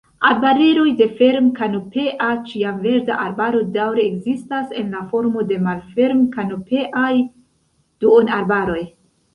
Arbareroj de ferm-kanopea ĉiamverda arbaro daŭre ekzistas, en la formo de malferm-kanopeaj duonarbaroj.